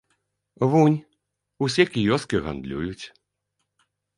Вунь, усе кіёскі гандлююць.